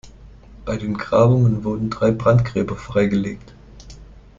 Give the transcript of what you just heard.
Bei den Grabungen wurden drei Brandgräber freigelegt.